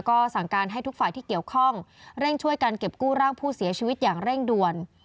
ก็สั่งการให้ทุกฝ่ายที่เกี่ยวข้องเร่งช่วยกันเก็บกู้ร่างผู้เสียชีวิตอย่างเร่งด่วน